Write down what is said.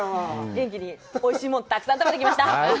元気においしいもん、たくさん食べてきました。